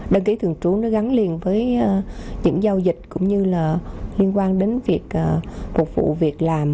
đăng ký thường trú gắn liền với những giao dịch cũng như là liên quan đến việc phục vụ việc làm